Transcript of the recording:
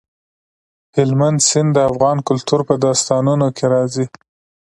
هلمند سیند د افغان کلتور په داستانونو کې راځي.